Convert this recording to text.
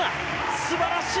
すばらしい！